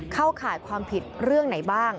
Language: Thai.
เข้าข่ายความผิดเรื่องไหนบ้าง